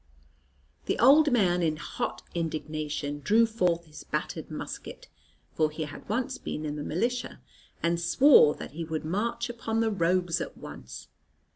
The old man, in hot indignation, drew forth his battered musket for he had once been in the militia and swore that he would march upon the rogues at once.